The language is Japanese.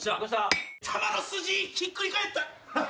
玉の筋ひっくり返った。